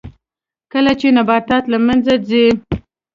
کله چې نباتات له منځه ځي